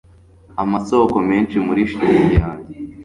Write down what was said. amasoko menshi muri shitingi yanjye